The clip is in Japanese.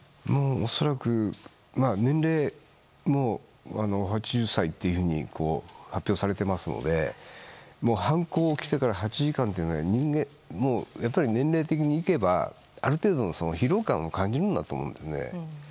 恐らく年齢も８０歳というふうに発表されていますので犯行が起きてから８時間というのはやっぱり年齢的にいけばある程度の疲労感を感じると思うんですね。